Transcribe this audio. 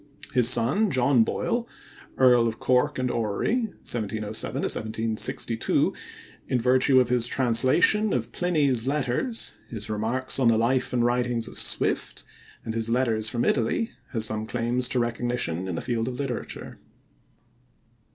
His son, John Boyle, Earl of Cork and Orrery (1707 1762), in virtue of his translation of Pliny's Letters, his Remarks on the Life and Writings of Swift, and his Letters from Italy, has some claims to recognition in the field of literature.